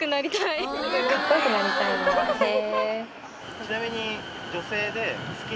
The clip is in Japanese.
ちなみに。